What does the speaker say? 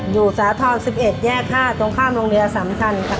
อยู่สาธารณ์๑๑แยก๕ตรงข้ามโรงเรียสำคัญ